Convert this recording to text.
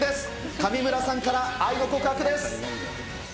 上村さんから愛の告白です。